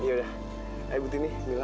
yaudah ayo butini mila